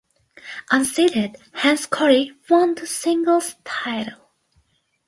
Unseeded Hans Kary won the singles title.